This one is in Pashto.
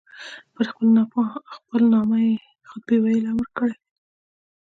په خپل نامه یې خطبې ویلو امر کړی.